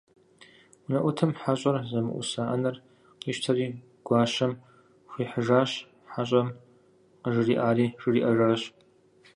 УнэӀутым хьэщӀэр зэмыӀуса Ӏэнэр къищтэри гуащэм хуихьыжащ, хьэщӀэм къыжриӀари жриӀэжащ.